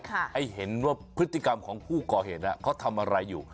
ให้เห็นว่าพฤติกรรมของผู้ก่อเหตุเขาทำอะไรอยู่